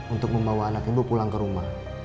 untuk membawa anak ibu pulang ke rumah